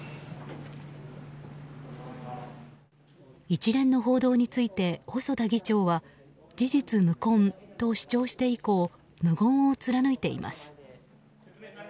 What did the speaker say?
一連の報道について細田議長は事実無根と主張して以降無言を貫いています。